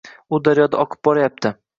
U daryoda oqib boryapti.